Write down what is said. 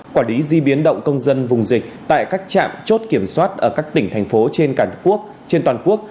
quả lý di biến động công dân vùng dịch tại các trạm chốt kiểm soát ở các tỉnh thành phố trên toàn quốc